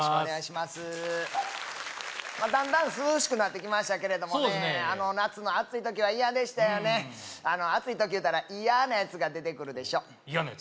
まあ段々涼しくなってきましたけれどもね夏の暑い時は嫌でしたよね暑い時いうたら嫌なやつが出てくるでしょ嫌なやつ？